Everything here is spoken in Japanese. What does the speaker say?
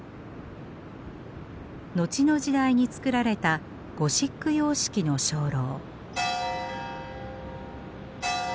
後の時代に作られたゴシック様式の鐘楼。